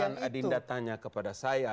bukan adinda tanya kepada saya